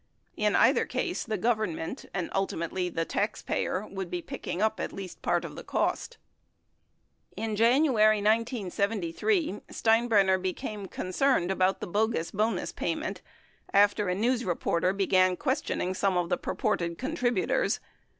In either case the Government and ultimately the taxpayer would be picking up at least paid of the cost. In January 1973, Steinbrenner became concerned about the bogus bonus payment after a news reporter began questioning some of the purported contributors.